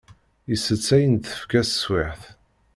Itett ayen d-tefka teswiɛt.